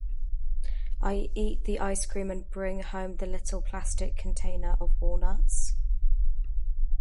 I eat the ice cream and bring home the little plastic container of walnuts.